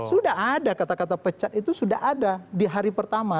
sudah ada kata kata pecat itu sudah ada di hari pertama